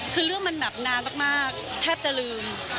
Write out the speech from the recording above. คือเรื่องมันแบบนานมากแทบจะลืม